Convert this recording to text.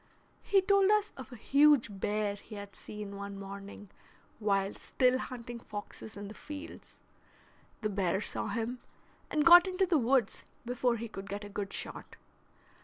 He told us of a huge bear he had seen one morning while still hunting foxes in the fields; the bear saw him, and got into the woods before he could get a good shot.